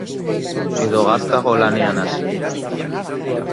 Edo gaztago lanean hasi?